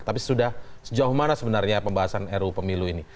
tapi sudah sejauh mana sebenarnya pembahasan ruu pemilu ini